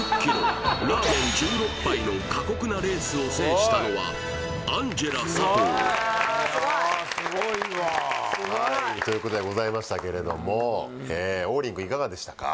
ラーメン１６杯の過酷なレースを制したのはアンジェラ佐藤いやすごいわすごいということでございましたけれども王林くんいかがでしたか？